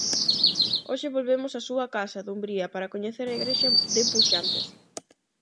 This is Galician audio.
Hoxe volvemos á súa casa, Dumbría, para coñecer a igrexa de Buxantes.